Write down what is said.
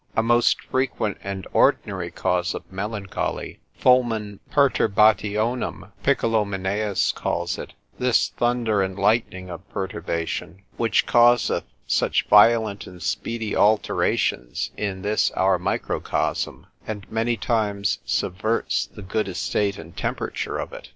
A most frequent and ordinary cause of melancholy, fulmen perturbationum (Picolomineus calls it) this thunder and lightning of perturbation, which causeth such violent and speedy alterations in this our microcosm, and many times subverts the good estate and temperature of it.